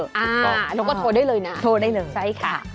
ถูกต้องแล้วก็โทรได้เลยนะใช่ค่ะโทรได้เลย